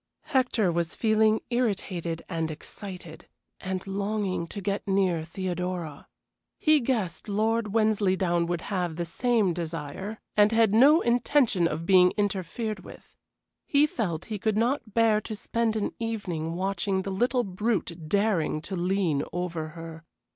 Hector was feeling irritated and excited, and longing to get near Theodora. He guessed Lord Wensleydown would have the same desire, and had no intention of being interfered with. He felt he could not bear to spend an evening watching the little brute daring to lean over her.